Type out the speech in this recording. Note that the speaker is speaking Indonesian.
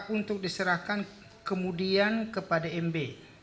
untuk diserahkan kemudian kepada mb